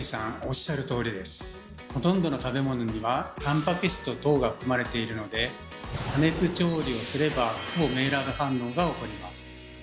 ほとんどの食べ物にはタンパク質と糖が含まれているので加熱調理をすればほぼメイラード反応が起こります。